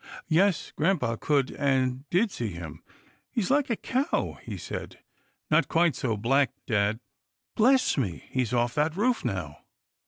Yes, grampa could and did see him. " He's like a crow," he said. " Not quite so black, dad. Bless me — he's off that roof now.